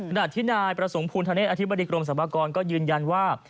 สำหรับที่นายประสงค์ภูนิษฐ์อธิบดีกรมสรรพากรก็ยืนยันว่า